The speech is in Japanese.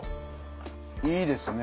いいですね。